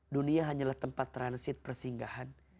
dunia hanyalah tempat transit persinggahan